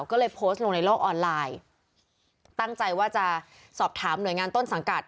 ก็เลยโพสต์ลงในโลกออนไลน์ตั้งใจว่าจะสอบถามหน่วยงานต้นสังกัด